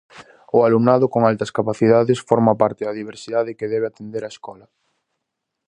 O alumnado con Altas Capacidades forma parte da diversidade que debe atender a escola.